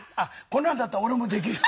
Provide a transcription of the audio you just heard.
こんなんだったら俺もできる。